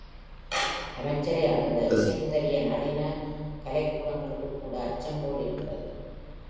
அமைச்சரை அணுக இசைமுதலிய நளின கலைகளுக்குக்கூட அச்சம் போலிருக்கிறது.